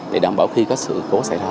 để đảm bảo khi có sự cố xảy ra